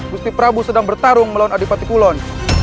gusti prabu sedang bertarung melawan adipati kulon